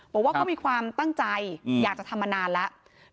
บอกว่าเขามีความตั้งใจอยากจะทำมานานแล้ว